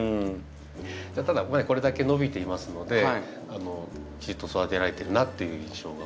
ただこれだけ伸びていますのできちっと育てられてるなっていう印象が。